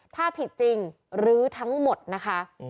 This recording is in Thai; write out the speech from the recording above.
ถ้าผิดจริงรื้อทั้งหมดนะคะ